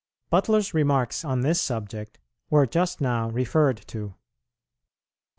Butler's remarks on this subject were just now referred to.